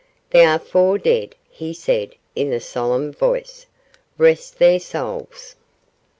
'There are four dead,' he said, in a solemn voice. 'Rest their souls.